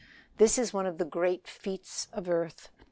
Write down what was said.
This is one of the great feats of earth.